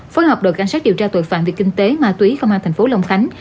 phối hợp đội cảnh sát điều tra tội phạm việc kinh tế ma túy công an tp long khánh